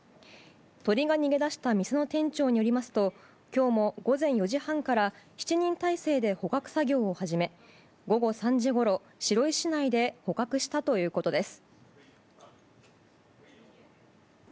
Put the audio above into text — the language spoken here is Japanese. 鳥が逃げ出した店の店長によりますと今日も午前４時半から７人態勢で捕獲作業を始め午後３時ごろ、白井市内で捕獲したということです。